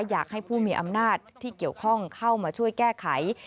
อยากให้ผู้มีอำนาจที่เกี่ยวข้องเข้ามาช่วยแก้ไข